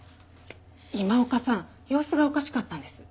今岡さん様子がおかしかったんです。